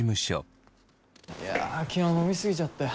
いや昨日飲み過ぎちゃったよ。